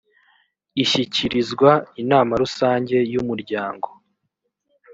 ishyikirizwa inama rusange y umuryango